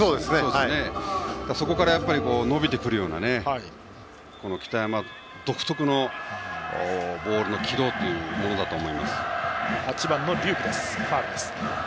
そこから伸びてくるような北山独特のボールの軌道だとバッターは８番の龍空です。